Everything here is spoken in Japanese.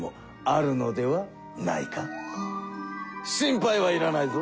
心配はいらないぞ！